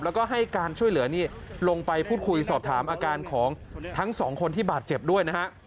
แล้วก็ให้การช่วยเหลือนี่ลงไปพูดคุยสอบถามอาการของทั้งสองคนที่บาดเจ็บด้วยนะฮะ